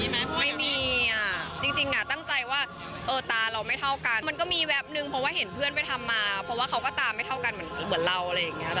ไม่มีอ่ะจริงตั้งใจว่าเออตาเราไม่เท่ากันมันก็มีแวบนึงเพราะว่าเห็นเพื่อนไปทำมาเพราะว่าเขาก็ตาไม่เท่ากันเหมือนเราอะไรอย่างเงี้ย